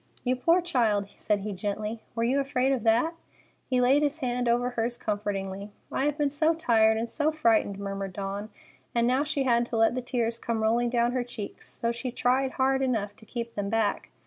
"You poor child!" said he gently. "Were you afraid of that?" He laid his hand over hers comfortingly. "I have been so tired and so frightened," murmured Dawn; and now she had to let the tears come rolling down her cheeks, though she tried hard enough to keep them back.